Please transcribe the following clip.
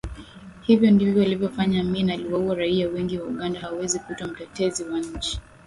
Hivyo ndivyo alivyofanya Amin aliwaua raia wengi wa Uganda hawezi kuitwa mtetezi wa nchi